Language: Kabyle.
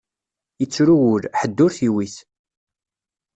Ittru wul, ḥedd ur t-iwwit.